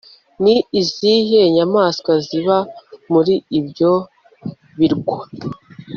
Ni izihe nyamaswa ziba muri ibyo birwa